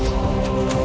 tuntun saja jangan